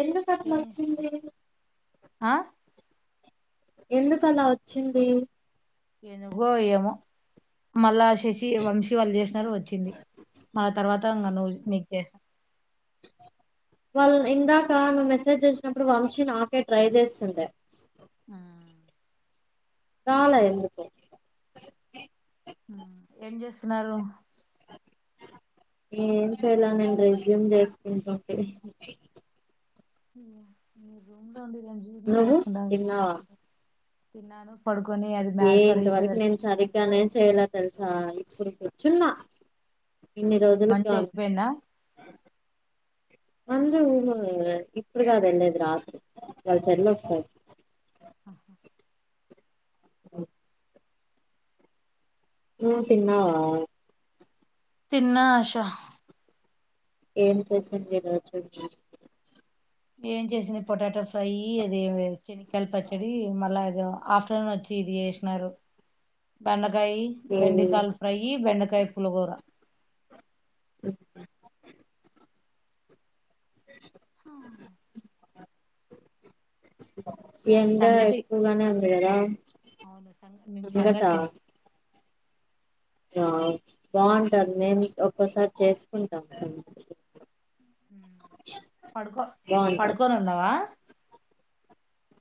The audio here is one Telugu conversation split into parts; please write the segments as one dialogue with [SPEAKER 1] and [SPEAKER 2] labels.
[SPEAKER 1] ఎందుకు అలా వచ్చింది
[SPEAKER 2] ఆ
[SPEAKER 1] ఎందుకలా వచ్చింది
[SPEAKER 2] ఎందుకో ఏమో మళ్ళశ చేసి వంశీ వాళ్ళు చేసినారు వచ్చింది మళ్ తర్వాత ఇంగ నువ్వు నీ చేసిన
[SPEAKER 1] వాళ్ళు ఇందాక ను మెసేజ్ చేసినప్పుడు వంశీ నాకే ట్రై చేస్తుండే
[SPEAKER 2] ఆ
[SPEAKER 1] రాలే ఎందుకో
[SPEAKER 2] హ ఏం చేస్తున్నారు
[SPEAKER 1] ఏం చేయల నేను రెజ్యూమ్ చెస్కుంటుంటి
[SPEAKER 2] య మూడు రూంలు డి రంజీత్ ని
[SPEAKER 1] నువ్వు
[SPEAKER 2] చేసుకుంటావ వీడిని
[SPEAKER 1] తిన్నావా
[SPEAKER 2] చేసుకుంటవ తిన్నాను పడుకొని అది
[SPEAKER 1] ఏ
[SPEAKER 2] మ్యాడ్ ఫర్ ఈచ్
[SPEAKER 1] ఇంతవరకు
[SPEAKER 2] అదర్
[SPEAKER 1] నేను
[SPEAKER 2] చూసినాను
[SPEAKER 1] సరిగా నేం చేయలే తెలు స ఇప్పుడు కూర్చున్న ఇన్ని రోజులుక్ గా
[SPEAKER 2] మంచిగా వెళ్ళిపోయిందా
[SPEAKER 1] మంజు కూడ ఉందిలే ఇప్పుడు కాదు వెళ్ళేది రాత్రి వాళ్ళ చెల్లొస్తారు.
[SPEAKER 2] ఆహా
[SPEAKER 1] ఓ నువు తిన్నావా
[SPEAKER 2] తిన్న అషా
[SPEAKER 1] ఏం చేసింది ఈ రోజు
[SPEAKER 2] ఏం చేసింది పొటాటో ఫ్రై అది శనికాయలు పచ్చడి మళ్ళ ఏదో ఆఫ్టర్నూన్ వచ్చి ది చేసినారు బం కాయ్
[SPEAKER 1] ఏది
[SPEAKER 2] బెండకాయల్ ఫ్రై బెండకాయ పుల్ల గూర
[SPEAKER 1] అ
[SPEAKER 2] హ
[SPEAKER 1] ఎండ
[SPEAKER 2] సంగటి
[SPEAKER 1] ఎక్కువగానే ఉ అార
[SPEAKER 2] అవును సంంగ నిమ్ సంగడ్తిన
[SPEAKER 1] ఆ బాగుంటది మేం ఒక్కోసారి చేసుకుంటాం
[SPEAKER 2] పడుకో
[SPEAKER 1] బాగుంటది
[SPEAKER 2] పడుకోని ఉందావా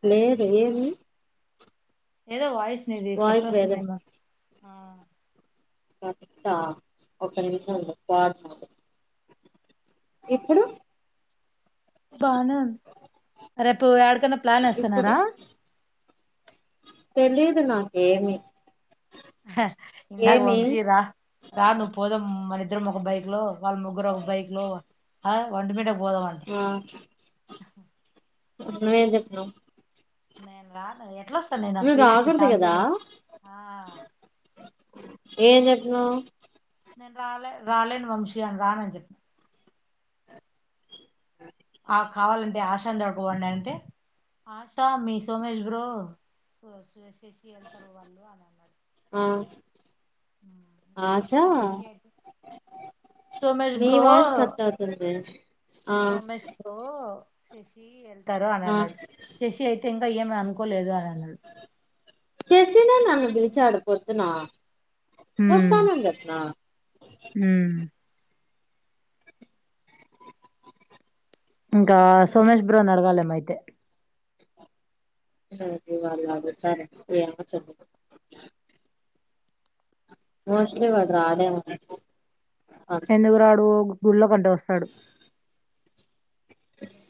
[SPEAKER 1] లేదు ఏమి
[SPEAKER 2] ఏదో వయిస్ ది కట్ట
[SPEAKER 1] వాయిస్ వేరే
[SPEAKER 2] వస్తుందమ ఆ
[SPEAKER 1] కత ఒక నిమిషం ఉ పా ఇప్పుడు
[SPEAKER 2] బనను రేపుడు ప్లాన్ వస్తనార
[SPEAKER 1] ఇప్పుడు తెలీదు నాకేమిీ
[SPEAKER 2] ఇంతా వంశీ రా రా ను పోద మన ఇద్దరం ఒక బైక్ లో వాళ్ళ ముగ్గురు ఒక బైక్ లో అ వంటి మీటకి పోదాంంట
[SPEAKER 1] అన వేద
[SPEAKER 2] న్నాే రా
[SPEAKER 1] రాకూడదు కదా
[SPEAKER 2] స ప త
[SPEAKER 1] ఏం చెప్పినవు
[SPEAKER 2] నేను రాాల రాలేను వంశీయాన్ రానుని చెప్ప
[SPEAKER 1] అ
[SPEAKER 2] ఆ కావాలంటే ఆశాని దొడుకోబండి అంటే ఆశ మీ సోమష్ బ్రో చేసి వెళ్తారు వాళ్ళు అని అన్నారుడు
[SPEAKER 1] ఆ ఆశా
[SPEAKER 2] సోమేష్
[SPEAKER 1] మీ
[SPEAKER 2] బ్రో
[SPEAKER 1] వాస్ కట్ అవుతుంది ఆ
[SPEAKER 2] సోమేష్ బ్రో శశి ఎ అని
[SPEAKER 1] ఆ
[SPEAKER 2] అన్నాడు చెసి అయితే అయ్యామ అనుకోలేదు ఆ
[SPEAKER 1] చేసిన న లేచాడు పోదునా వస్త
[SPEAKER 2] ఉమ్
[SPEAKER 1] ఆనందత్నా
[SPEAKER 2] ఉమ్ ఇంకా సోమేష్ బ్రో అని అడగాలేమో అయితే
[SPEAKER 1] ఉమ్ వాళ్ళ సరే [unintelligible] మోస్ట్లి వాళ్ళు రారేమో
[SPEAKER 2] ఎందుకు రాడు ఓ గుళ్ళో కడు ఒస్తాడు
[SPEAKER 1] స్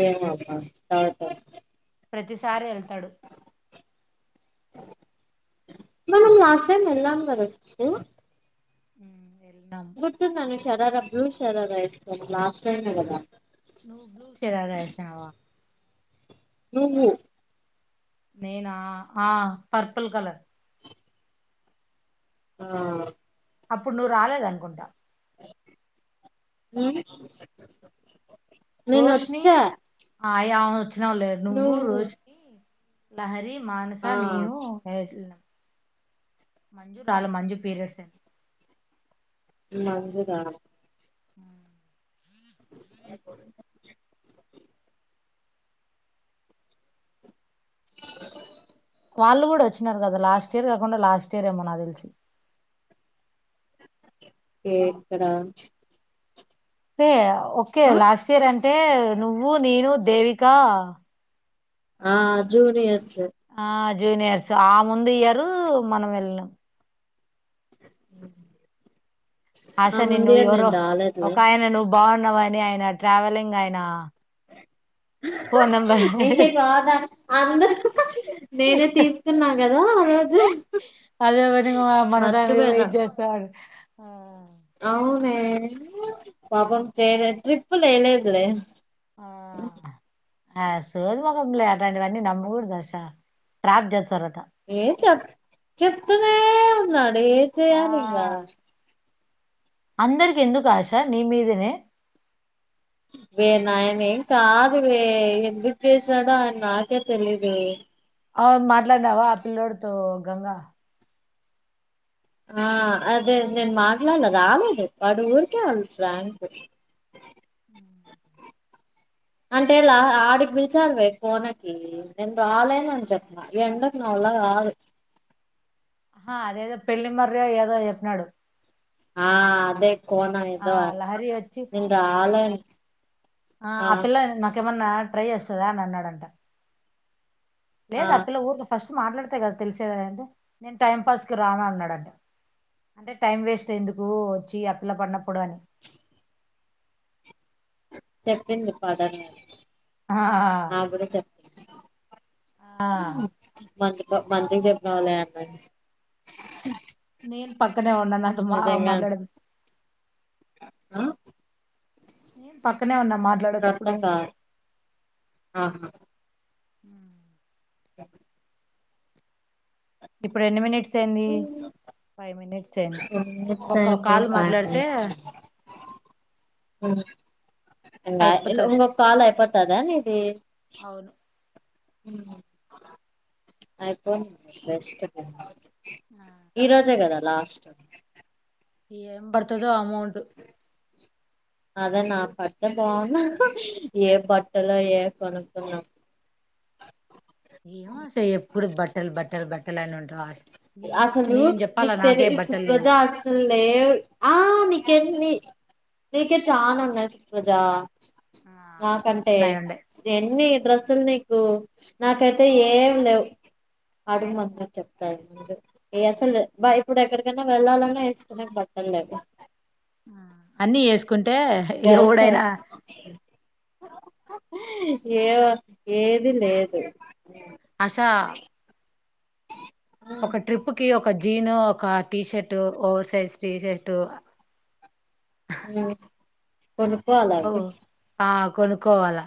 [SPEAKER 1] ఏమో అమ్మ తాగుత
[SPEAKER 2] ప్రతిసారి ఎల్తడు
[SPEAKER 1] మనమ్ లాస్ట్ టైం వెళ్ళామ్ కదా సిద్ధూ
[SPEAKER 2] ఊమ్ ఎళ్ళామ్
[SPEAKER 1] శరారా బ్లూ శరార ఎస్కొంది లాస్ట్ టైమే గదా
[SPEAKER 2] నువ్ బ్లూ శరారా ఏస్నవా
[SPEAKER 1] నువ్వు
[SPEAKER 2] నేనా ఆ పర్పల్ కలర్
[SPEAKER 1] ఆ
[SPEAKER 2] అప్పుడు నువ్వు రాలేదానుకుంట
[SPEAKER 1] ఉమ్ నేను
[SPEAKER 2] రోష్ని
[SPEAKER 1] వచ్చా
[SPEAKER 2] ఆయావ్ వచ్చనవ్లే నువ్వు రోష్ని లహరి మానసా
[SPEAKER 1] ఆ
[SPEAKER 2] నేను వెల్నామ్ మంజురాలే మంజు పీరియడ్స్ అయ్నయ్
[SPEAKER 1] మంజుదా
[SPEAKER 2] ఆ
[SPEAKER 1] [unintelligible]
[SPEAKER 2] వాళ్ళు కూడా ఒచ్చినారు కదా లాస్ట్ ఇయర్ కాకుండా లాస్ట్ ఇయర్ ఏమో నాకుతేల్సి
[SPEAKER 1] ఎక్కడ
[SPEAKER 2] పేయ ఒకే
[SPEAKER 1] ఆ
[SPEAKER 2] లాస్ట్ ఇయర్ అంటే నువ్వు నేను ద్ దేవిక ఆ
[SPEAKER 1] ఆ జూనియర్స్
[SPEAKER 2] ఆ జూనియర్స్ ఆ ముందు ఇయర్రూ మనం వెళ్ళినమ్
[SPEAKER 1] ఉమ్
[SPEAKER 2] ఆశా నిన్ను ఎవరో ఒకాయన నువ్వు బావు వని ఆయన ట్రావలింగ్ ఆయన
[SPEAKER 1] ఆహా
[SPEAKER 2] ఫోన్ నెంబర్
[SPEAKER 1] ఏ రాధా అందరు ఆహా నేనే తీసుకున్నా కదా రోజు
[SPEAKER 2] అదే పనిగా
[SPEAKER 1] మర్చిపోయ్నా
[SPEAKER 2] ఆ
[SPEAKER 1] అవునే పాపం చేయాలె ట్రిప్పులేయలేదులే
[SPEAKER 2] ఆ ఆ సోది మొకమ్ది లే అట్లాంటివన్నీ నమ్మకూడదు ఆశ ట్రాప్ చేస్తారు లే
[SPEAKER 1] ఏం చెప్ చెప్తూనే ఉన్నాడు అప్పుడే ఏం చేయాలింగా
[SPEAKER 2] ఆ అందరికి ఎందుకు ఆశ నీమదనే
[SPEAKER 1] వే ఆయన ఏం కాదు వే ఎందుకు చేశాడో ఆయన నాకే తెలిదు
[SPEAKER 2] అవును మాట్లాడినావా ఆ పిల్లోడితో గంగ
[SPEAKER 1] ఆ అదే నేను మాట్లాడలే రాలేదు వాడు ఊరికే అలా ప్రాంకు
[SPEAKER 2] హా
[SPEAKER 1] అంటే ఇలా ఆడి పిలచాలి పోయి కోనకి నేను రాలేన అని చెప్పన్నా ఎండకు నావల్లా కాదు
[SPEAKER 2] ఆ అదేదో పెళ్లి మర్రె ఏదో చెప్పినాడు
[SPEAKER 1] ఆ అదే కోనా
[SPEAKER 2] ఆ
[SPEAKER 1] ఏందో
[SPEAKER 2] లహరి వచ్చి
[SPEAKER 1] నేను రాలేను
[SPEAKER 2] ఆ ఆపిల్ల నా కేమన్నా ట్రై చేస్తుందా అని అన్నాడంట లేదా ఆ పిల్ల ఊరుక ఫస్ట్ మాట్లాడితే కదా తెలిసేది నేను టైం పాస్కి రాను అన్నాడంట అంటే టైం వేస్ట్ ఎందుకు వచ్చి ఆ పిల్ల పడినప్పుడు అని
[SPEAKER 1] చెప్పింది పాద న
[SPEAKER 2] ఆ ఆ
[SPEAKER 1] మంచి మంచిగా చెప్పినావులే అన్న
[SPEAKER 2] నేను పక్కనే ఉన్నా నాతో మా మాట్లాడేదు
[SPEAKER 1] ఆ
[SPEAKER 2] నేం పక్కనే ఉన్నా మాట్లాడేటప్పుడు
[SPEAKER 1] అర్థం కాదు ఆహా
[SPEAKER 2] ఉమ్. ఇప్పుడు ఎన్ని మినిట్ అంది ఫైవ్ మినిట్స్ ఏంది
[SPEAKER 1] ఎన్ని మినిట్స్
[SPEAKER 2] ఇంకొక
[SPEAKER 1] అయింది
[SPEAKER 2] కాల్
[SPEAKER 1] ఫైవ్
[SPEAKER 2] మాట్లాడితే
[SPEAKER 1] హా ఇంగ
[SPEAKER 2] అయిపోతది
[SPEAKER 1] ఇంగ ఒక కాల్ అయిపోతే దా నీది
[SPEAKER 2] అవును
[SPEAKER 1] అయిపోనీ రెస్ట్ ఈ రజా గదా లాస్ట్
[SPEAKER 2] ఏయ బర్తద అమౌ అదు
[SPEAKER 1] అదే నా బట్ట బాగున్నా ఏ బట్టలో ఏ కొనుక్కున్నాం
[SPEAKER 2] ఏం ఆశ ఎప్పుడు బట్టలు బట్టలు బట్టలు బట్టలు అని ఉంటావు ఆశ నేను
[SPEAKER 1] అసలు
[SPEAKER 2] నేను చెప్పాలా
[SPEAKER 1] నీకు
[SPEAKER 2] నాకే
[SPEAKER 1] తెలిస్తే
[SPEAKER 2] బట్టలు
[SPEAKER 1] సుప్రజ
[SPEAKER 2] లేవు
[SPEAKER 1] అసలు లేవు ఆ మీకే చాలా ఉన్నాయి సుప్రజ నాకంటే
[SPEAKER 2] ఉన్నాయి ఉండే
[SPEAKER 1] ఎన్ని డ్రెస్సులు నీకు నాకైతే ఏం లేవు అడుగు మాత్రం చెప్ప అసలు బా ఇప్పుడు ఎక్కడికైనా వెళ్ళాలన్నా వేసుకునే బట్టలులేదు
[SPEAKER 2] అన్నీ ఏసు కుంటే
[SPEAKER 1] గర్ల్స్
[SPEAKER 2] ఎవుడైనా
[SPEAKER 1] అయితే. ఏ ఏది లేదు
[SPEAKER 2] ఆశ ఒక ట్రిప్ కి ఒక జీను ఒక T shirt over size T shirt
[SPEAKER 1] ఉమ్, కొనుక్కోవాలి
[SPEAKER 2] ఓ
[SPEAKER 1] అవి
[SPEAKER 2] ఆ కొనుక్కోవాలా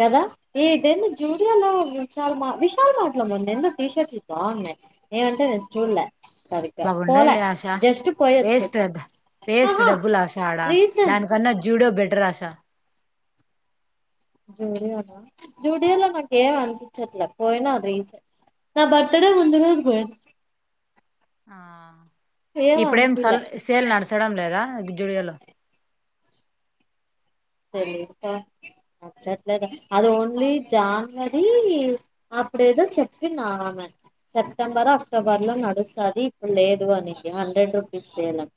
[SPEAKER 1] కదా ఇది ఏదైనా జూడియోలో చాలా మా విశాల్ మార్ట్ లో బాగుంది టీ షర్ట్లు బాగున్నాయి ఏమంటే నేను
[SPEAKER 2] బా
[SPEAKER 1] చూడలే సరిగ్గా పోలే
[SPEAKER 2] బాగుండయిలే ఆశ
[SPEAKER 1] జస్ట్ పోయి
[SPEAKER 2] వేస్ట్
[SPEAKER 1] వచ్చేసా
[SPEAKER 2] అద్ వేస్ట్
[SPEAKER 1] హాహా
[SPEAKER 2] డబ్బులు
[SPEAKER 1] రీసన్
[SPEAKER 2] టార్ ఆశ
[SPEAKER 1] జూడియాలో జూడియాలో నాకు ఏం అనిపించట్లే పోయినా రీసెంట్ నా బర్త్డే ముందు రోజు పోయినా
[SPEAKER 2] ఆ
[SPEAKER 1] ఏం
[SPEAKER 2] ఇప్పుడేం
[SPEAKER 1] అనిపిలే
[SPEAKER 2] సల్ సేల్ నడచడం లేదా జూడియోలో
[SPEAKER 1] తెలితల నచ్చట్లేదు అది ఓన్లీ జానవరి అప్పుడేదో చెప్పింది ఆమె సెప్టెంబర్ అక్టోబర్ లో నడుస్తుంది ఇప్పుడు లేదు అననికి హండ్రెడ్ రూపీస్ సేల్ అంట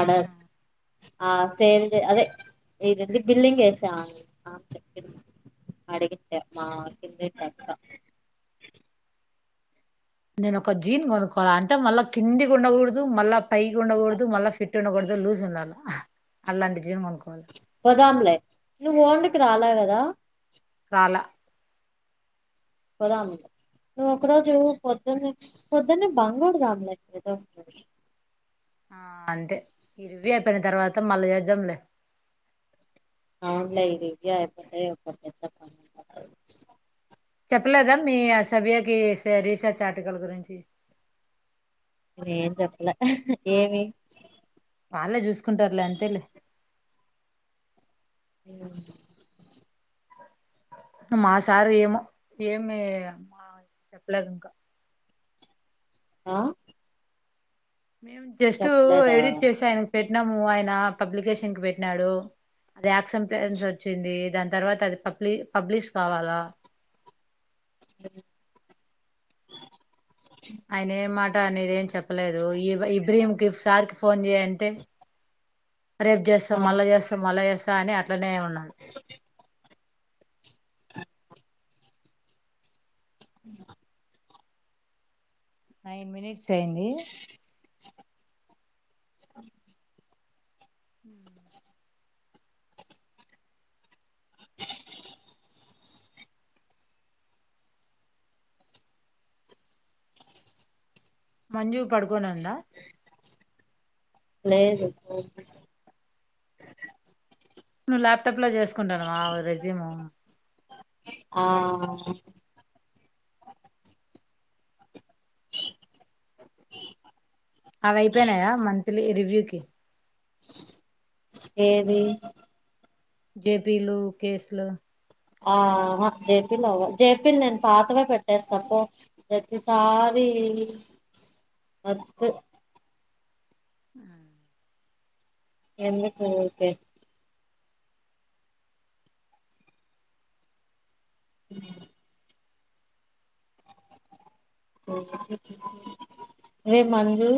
[SPEAKER 1] అడ సేల్ అదే ఇదండీ బిల్లింగ్ వేసాం ఆమె చెప్పింది అడిగితేే మా కిందింటి అక్క
[SPEAKER 2] నేను ఒక జీన్ కొనుక్కోవాల అంటే మళ్ళ కిందికీ ఉండకూడదు మళ్ళా పైకి ఉండకూడదు మళ్ళీ ఫిట్ ఉండకూడదు లూజ్ ఉండాలి అలాంటి జీన్ కొనుక్కోవాలి
[SPEAKER 1] నువ్వు వోంకి రాలా కదా
[SPEAKER 2] రల
[SPEAKER 1] పొదాము నువ్వు ఒక రోజు పొద్దున్న పొద్దున్న బంక్ కొడుధాం లే
[SPEAKER 2] ఆ అంతే ఇరివి అయిపోయిన తర్వాత మళ్ళీ చేద్దాంలే
[SPEAKER 1] అవునులే ఇది అయిపోతే
[SPEAKER 2] చెప్పలేదా మీ సభ్యకి రీసెర్చ్ ఆర్టికల్ గురించి
[SPEAKER 1] న ఏం చెప్పలే ఏమి
[SPEAKER 2] వాళ్ళే చూసుకుంటారులే అంతేలే
[SPEAKER 1] అ
[SPEAKER 2] మా సారు ఏమో ఏమి అమ్మా చెప్పలేదు ఇంకా
[SPEAKER 1] ఆ
[SPEAKER 2] మేము జస్ట్
[SPEAKER 1] చెప్పలేదా
[SPEAKER 2] ఎడిట్ చేసా ఆయన పెట్ పెట్నాము ఆయన పబ్లికేషన్ కి పెట్టినాడు అది యాక్షన్ ప్లేన్స్ వచ్చింది దా తర్వాత అది పబ్లి పబ్లిష్ కావాలా
[SPEAKER 1] [inaudible]
[SPEAKER 2] అయినే మట్ ఆ ఏం చెప్పలేదు ఈ ఇబ్రహీంకిి సార్ కి ఫోన్ చేయంటే రేపు
[SPEAKER 1] ఆ
[SPEAKER 2] చేస్తాం మల్ల చేస్తాం మల్ల చేస్తాం కానీ అట్ ట్లనే ఉన్నాను
[SPEAKER 1] అ
[SPEAKER 2] నైన్ మినిట్స్ టెండి మంజు పడుకోనుందా
[SPEAKER 1] లేదు [unintelligible]
[SPEAKER 2] నువ్వు ల్యాప్టాప్ లో చేసుకుంటున్నావా రెస్యూము
[SPEAKER 1] ఆ
[SPEAKER 2] అవియిపోయినాయా మంత్లీ రివ్యూకి
[SPEAKER 1] ఏది
[SPEAKER 2] జేపీలు కేసులు
[SPEAKER 1] ఆ ఆ జేపిలు అవ జేపిలు నేను పాతవే పెట్టేస్తా పో ప్రతిసారి వద్దు
[SPEAKER 2] ఆ
[SPEAKER 1] ఎందుకు [unintelligible] అవే మంజు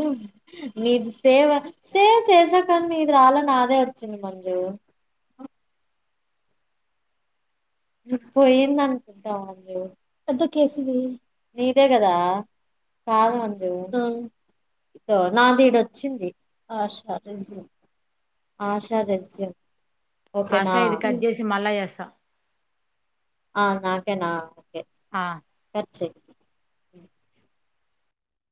[SPEAKER 1] నీది సేవ సేవ్ చేసాకనీ నీది రాల నాదే వచ్చింది మంజు హ పోయింది అంటావు వద్దు కీసు ఇదే కదా కాదు అండ్రి ఆ ఇదో నాది ఈడొచ్చింది ఆశ రెజ్యూమ్ ఆశా రెస్యూమ్
[SPEAKER 2] ఆశ
[SPEAKER 1] ఓకేనా
[SPEAKER 2] ఇది కట్ చేసి మళ్ళా చేస్తా
[SPEAKER 1] ఆ హా నాకేనా ఓకే
[SPEAKER 2] ఆ
[SPEAKER 1] చె